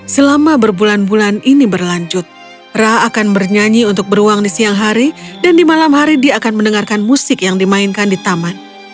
selama berbulan bulan ini berlanjut rah akan bernyanyi untuk beruang di siang hari dan di malam hari dia akan mendengarkan musik yang dimainkan di taman